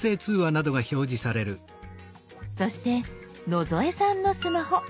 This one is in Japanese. そして野添さんのスマホ。